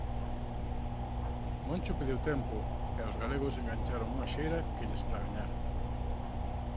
Moncho pediu tempo e os galegos engancharon unha xeira que lles pra gañar.